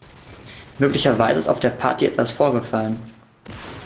Möglicherweise ist auf der Party etwas vorgefallen.